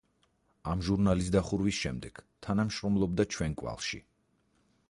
ამ ჟურნალის დახურვის შემდეგ თანამშრომლობდა „ჩვენ კვალში“.